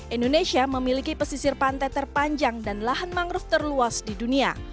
indonesia memiliki pesisir pantai terpanjang dan lahan mangrove terluas di dunia